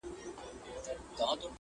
o خداى دي يو لاس بل ته نه اړ باسي!